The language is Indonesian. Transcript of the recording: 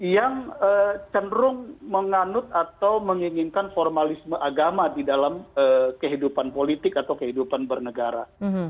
yang cenderung menganut atau menginginkan formalisme agama di dalam kehidupan politik atau kehidupan bernegara